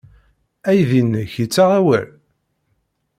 Aydi-nnek yettaɣ awal?